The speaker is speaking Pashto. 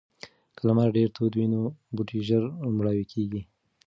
که لمر ډیر تود وي نو بوټي ژر مړاوي کیږي.